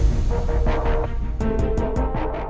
ketemunya sama gue